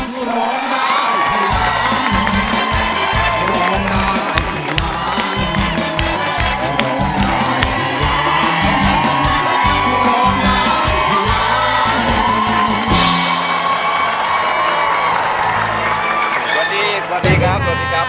สวัสดีครับ